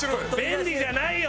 便利じゃないよ！